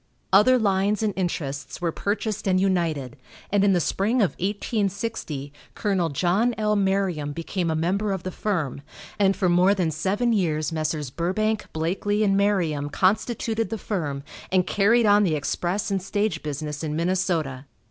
Other lines and interests were purchased and united, and in the spring of 1860 Col. John L. Merriam became a member of the firm, and for more than seven years Messrs. Burbank, Blakeley & Merriam constituted the firm and carried on the express and stage business in Minnesota.